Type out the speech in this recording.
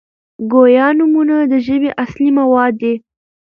ګویا نومونه د ژبي اصلي مواد دي.